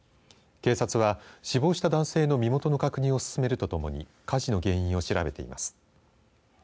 警察は、死亡した男性の身元の確認を進めるとともに火事の原因を調べています。